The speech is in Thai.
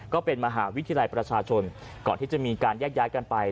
ก็เป็นมหาวิทยาลัยประชาชนก่อนที่จะมีการแยกย้ายกันไป